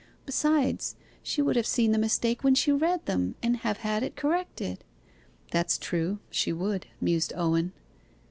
Besides she would have seen the mistake when she read them, and have had it corrected.' 'That's true, she would,' mused Owen.